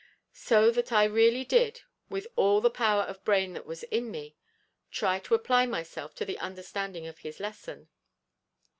So that I really did, with all the power of brain that was in me, try to apply myself to the understanding of his lesson.